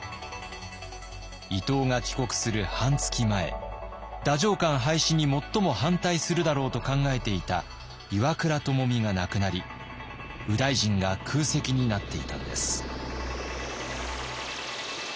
伊藤が帰国する半月前太政官廃止に最も反対するだろうと考えていた岩倉具視が亡くなり右大臣が空席になっていたのです。